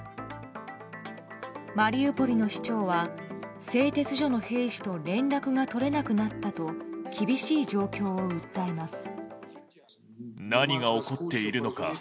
マリウポリの市長は製鉄所の兵士と連絡が取れなくなったと厳しい状況を訴えます。